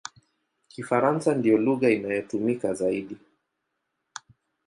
Kifaransa ndiyo lugha inayotumika zaidi.